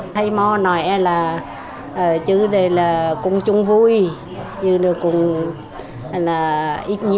thầy mò nói là chứ đây là cúng chung vui chứ đây cũng là ít nhiều uống vui